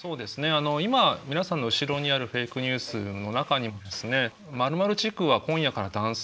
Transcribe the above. あの今皆さんの後ろにあるフェイクニュースの中にもですね「○○地区は今夜から断水。